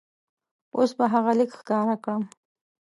اوس به هغه لیک ښکاره کړم.